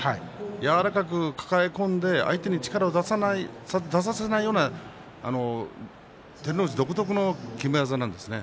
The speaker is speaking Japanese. やわらかく抱え込んで相手に力を出させないような照ノ富士独特のきめ方なんですね